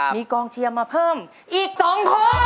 มีกองเชียร์มาเพิ่มอีก๒คน